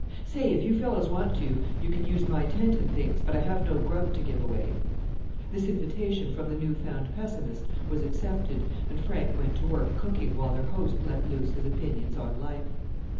"Say! if you fellows want to you can use my tent and things, but I have no grub to give away." This invitation from the new found pessimist was accepted, and Frank went to work cooking while their host let loose his opinions upon life.